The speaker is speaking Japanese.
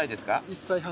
１歳半。